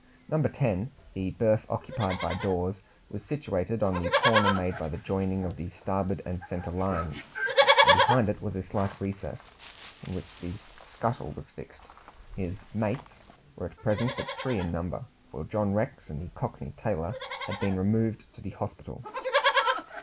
No. 10, the berth occupied by Dawes, was situated on the corner made by the joining of the starboard and centre lines, and behind it was a slight recess, in which the scuttle was fixed. His "mates" were at present but three in number, for John Rex and the cockney tailor had been removed to the hospital.